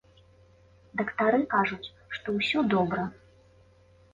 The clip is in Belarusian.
Дактары кажуць, што ўсё добра.